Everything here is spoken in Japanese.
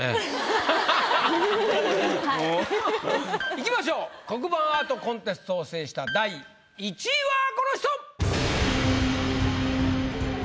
いきましょう黒板アートコンテストを制した第１位はこの人！